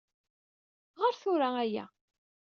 Ɣeṛ tura aya.